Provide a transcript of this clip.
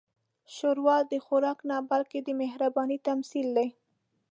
ښوروا د خوراک نه، بلکې د مهربانۍ تمثیل دی.